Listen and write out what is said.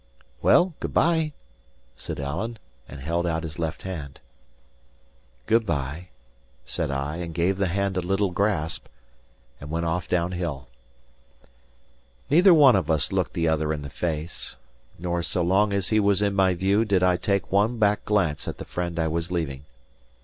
"Well, good bye," said Alan, and held out his left hand. "Good bye," said I, and gave the hand a little grasp, and went off down hill. Neither one of us looked the other in the face, nor so long as he was in my view did I take one back glance at the friend I was leaving.